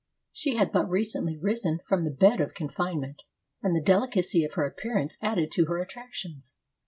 She had but recently risen from the bed of confine ment, and the delicacy of her appearance added to her attractions.